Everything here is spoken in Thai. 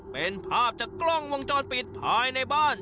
เป็นภาพจากกล้องวงจรปิดภายในบ้าน